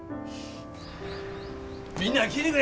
みんな聞いてくれ！